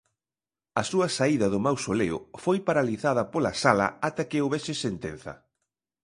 A súa saída do mausoleo foi paralizada pola Sala ata que houbese sentenza.